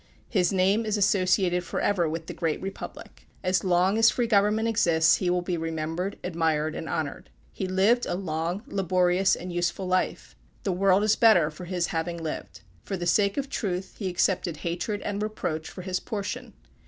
His name is associated forever with the Great Republic. As long as free government exists he will be remembered, admired and honored. He lived a long, laborious and useful life. The world is better for his having lived. For the sake of truth he accepted hatred and reproach for his portion.